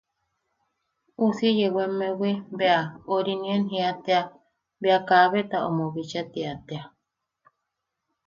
Uusi yewemmewi bea... ori... nien jia tea bea kabeta omo bicha tia tea.